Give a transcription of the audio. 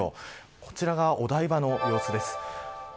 こちらが、お台場の様子です。